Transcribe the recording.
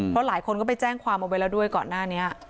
เพราะหลายคนก็ไปแจ้งความเอาไว้แล้วด้วยก่อนหน้านี้